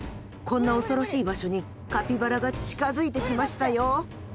こんな恐ろしい場所にカピバラが近づいてきましたよ。